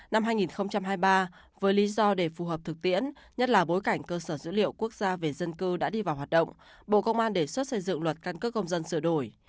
năm hai nghìn hai mươi ba với lý do để phù hợp thực tiễn nhất là bối cảnh cơ sở dữ liệu quốc gia về dân cư đã đi vào hoạt động bộ công an đề xuất xây dựng luật căn cước công dân sửa đổi